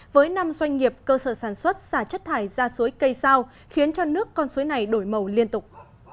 với năm doanh nghiệp cơ sở sản xuất xả chất thải ra suối cây sao khiến cho nước con suối này đổi màu liên tục